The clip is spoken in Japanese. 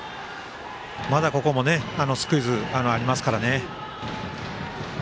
まだここもスクイズありますからね。